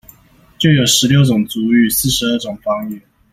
就有十六種族語、四十二種方言